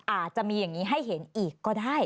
อาจจะมีอย่างนี้ให้เห็นอีกก็ได้